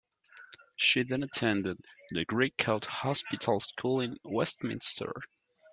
She then attended the Grey Coat Hospital school in Westminster.